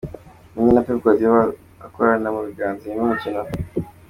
Mourinho na Pep Guardiola bakorana mu biganza nyuma y'umukino.